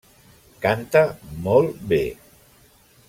Canta molt bé.